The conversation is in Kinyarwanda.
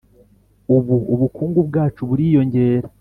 ubu ubukungu bwacu buriyongera